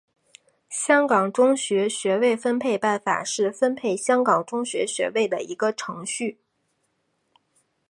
香港中学学位分配办法是分配香港中学学位的一个程序。